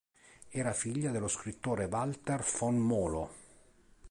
Era figlia dello scrittore Walter von Molo.